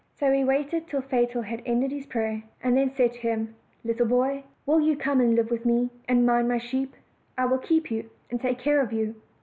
So he waited till Fatal had ended his prayer, and then said to him: "Little boy, will you come and live with me, and mind my sheep? I will keep you, and take care of you."